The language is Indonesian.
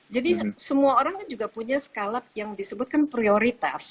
jadi semua orang juga punya skala yang disebutkan prioritas